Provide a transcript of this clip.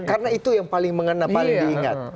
karena itu yang paling mengena paling diingat